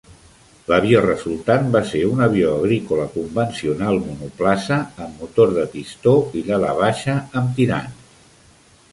L'avió resultant va ser un avió agrícola convencional monoplaça, amb motor de pistó i ala baixa amb tirants.